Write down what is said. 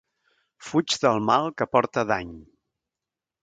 Fuig del mal que porta dany.